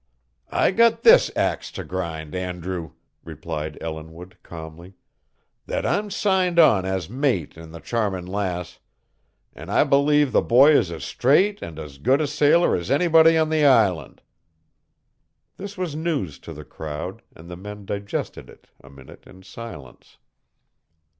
"I got this ax to grind, Andrew," replied Ellinwood calmly, "that I'm signed on as mate in the Charming Lass, an' I believe the boy is as straight and as good a sailor as anybody on the island." This was news to the crowd, and the men digested it a minute in silence.